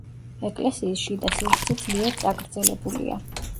ეკლესიის შიდა სივრცე ძლიერ წაგრძელებულია.